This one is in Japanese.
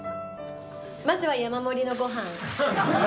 まずは山盛りのごはん。